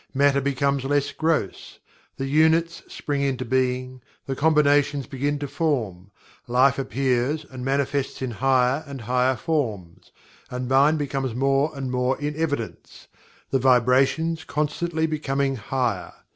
Matter becomes less gross; the Units spring into being; the combinations begin to form; Life appears and manifests in higher and higher forms; and Mind becomes more and more in evidence the vibrations constantly becoming higher.